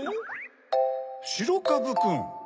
しろかぶくん。